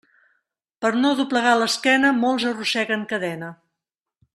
Per no doblegar l'esquena, molts arrosseguen cadena.